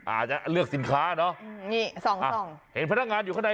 อ่าจะเลือกสินค้าเนอะนี่๓เห็นพนักงานอยู่ข้างใน